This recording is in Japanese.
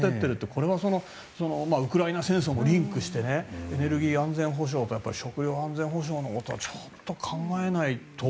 これはウクライナ戦争もリンクしてエネルギー安全保障と食料安全保障のことはちゃんと考えないと。